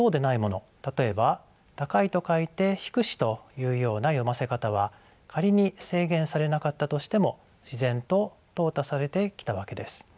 例えば「高」と書いて「ひくし」というような読ませ方は仮に制限されなかったとしても自然ととう汰されてきたわけです。